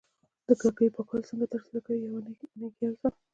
د کړکیو پاکول څنګه ترسره کوی؟ اونۍ کی یوځل